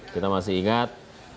kita masih ingat